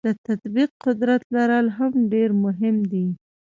د تطبیق قدرت لرل هم ډیر مهم دي.